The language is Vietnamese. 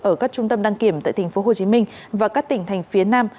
ở các trung tâm đăng kiểm tại tp hcm và các tỉnh thành phía nam